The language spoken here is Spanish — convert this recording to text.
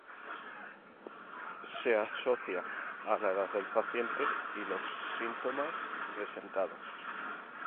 Se asocia a la edad del paciente y los síntomas presentados.